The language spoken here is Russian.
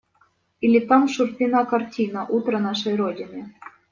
Или там Шурпина картина «Утро нашей родины».